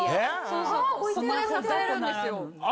そこで支えるんですよ。